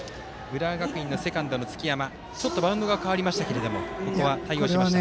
浦和学院のセカンド、月山がちょっとバウンドが変わりましたが、対応しました。